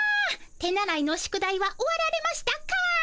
手習いの宿題は終わられましたか？